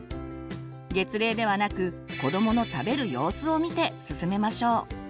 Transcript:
月齢ではなく子どもの食べる様子を見て進めましょう。